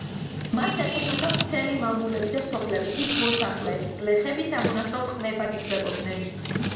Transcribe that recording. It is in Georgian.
მას ეკუთვნოდა ვრცელი მამულები და სოფლები, იქ მოსახლე გლეხები სამონასტრო ყმებად ითვლებოდნენ.